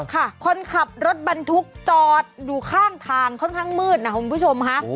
คนขับรถบรรทุกจอดอยู่ข้างทางค่อนข้างมืดนะคุณผู้ชมค่ะ